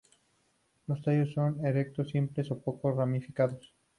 Los tallos son erectos, simples o poco ramificados.